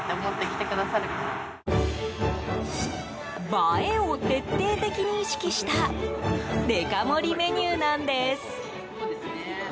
映えを徹底的に意識したデカ盛りメニューなんです。